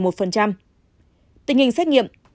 tình hình xét nghiệm